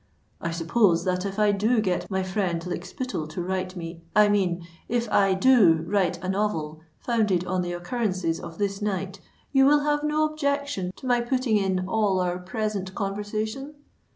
"I suppose that if I do get my friend Lykspittal to write me——I mean, if I do write a novel founded on the occurrences of this night, you will have no objection to my putting in all our present conversation?"